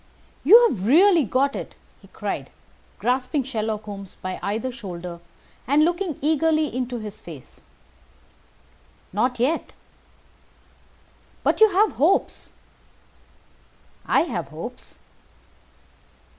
"You have really got it?" he cried, grasping Sherlock Holmes by either shoulder, and looking eagerly into his face. "Not yet." "But you have hopes?" "I have hopes."